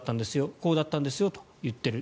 こうだったんですよと言ってる。